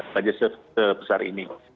hanya sebesar ini